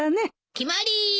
決まり！